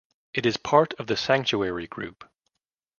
It is part of the Sanctuary Group.